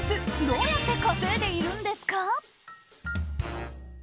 どうやって稼いでいるんですか？